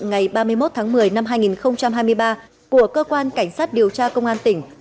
ngày ba mươi một tháng một mươi năm hai nghìn hai mươi ba của cơ quan cảnh sát điều tra công an tỉnh